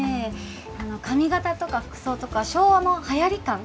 髪形とか服装とか昭和のはやり感